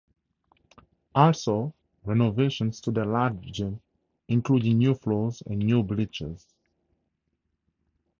Also, renovations to their large gym including new floors and new bleachers.